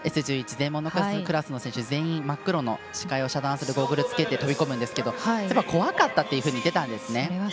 全盲のクラスの選手全員真っ黒の視界を遮断するゴーグルで飛び込むですけど怖かったというふうに言ってたんですね。